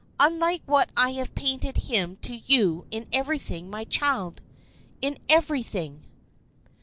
Unlike what I have painted him to you in everything, my child in everything."